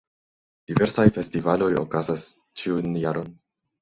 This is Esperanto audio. Diversaj festivaloj okazas ĉiun jaron.